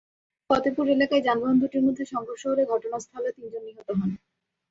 ফতেপুর এলাকায় যানবাহন দুটির মধ্যে সংঘর্ষ হলে ঘটনাস্থলে তিনজন নিহত হন।